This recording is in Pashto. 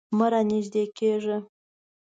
مه رانږدې کیږه